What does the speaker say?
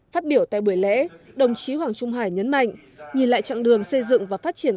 phát biểu tại buổi lễ đồng chí hoàng trung hải nhấn mạnh nhìn lại chặng đường xây dựng và phát triển